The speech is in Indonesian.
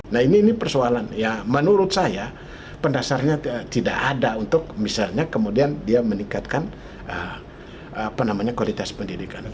nah ini persoalan ya menurut saya pendasarnya tidak ada untuk misalnya kemudian dia meningkatkan kualitas pendidikan